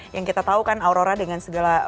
yang kita tahu kan aurora dengan segala